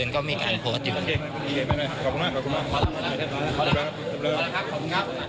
ก็มีการโพสต์ขอบคุณมากขอบคุณมากขอบคุณครับ